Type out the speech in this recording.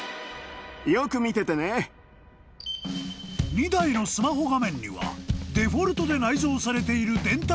［２台のスマホ画面にはデフォルトで内蔵されている電卓機能］